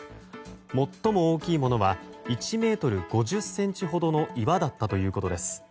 最も大きいものは１ｍ５０ｃｍほどの岩だったということです。